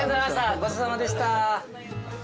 ごちそうさまでした。